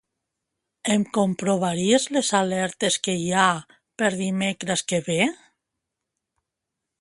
Em comprovaries les alertes que hi ha per dimecres que ve?